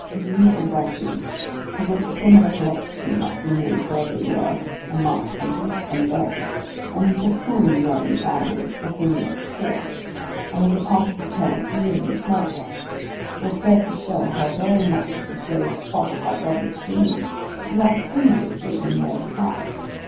These advertisements, of which a similar collection might be made for every year, and month, and week, and day; and which are coolly read in families as things of course, and as a part of the current news and small talk; will serve to show how very much the slaves profit by public opinion, and how tender it is in their behalf.